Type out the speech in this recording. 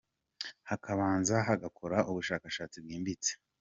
hakabanza hagakora ubushashatsi bwimbitse